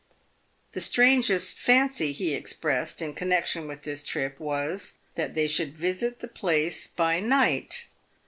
The strangest fancy he expressed in connexion with this trip was, that they should visit the place by night.